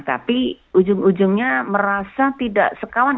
tapi ujung ujungnya merasa tidak sekawan